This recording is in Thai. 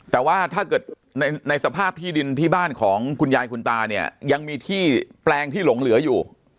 แต่ว่าถ้าเกิดในสภาพที่ดินที่บ้านของคุณยายคุณตาเนี่ยยังมีที่แปลงที่หลงเหลืออยู่